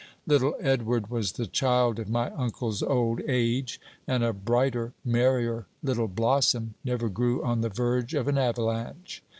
Little Edward was the child of my uncle's old age, and a brighter, merrier little blossom never grew on the verge of an avalanche.